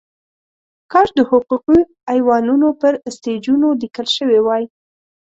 کاش د حقوقي ایوانونو پر سټیجونو لیکل شوې وای.